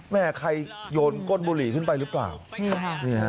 แม่ใครโยนก้นบุหรี่ขึ้นไปหรือเปล่านี่ฮะนี่ฮะ